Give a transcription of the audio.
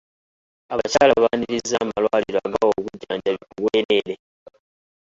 Abakyala baaniriza amalwaliro agawa obujjanjabi ku bwereere.